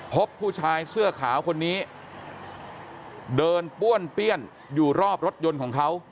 พบผู้ชายเสื้อขาวคนนี้เดินป้วนเปี้ยนอยู่รอบรถยนต์ของเขา